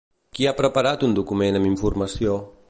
Qui ha preparat un document amb informació?